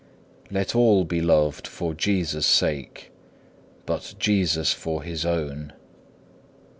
4. Let all be loved for Jesus' sake, but Jesus for His own.